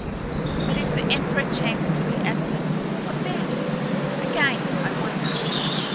But if the emperor chanced to be absent? What then? Again I wonder.